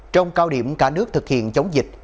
trong cao điểm cả nước thực hiện chống dịch